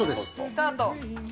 スタート。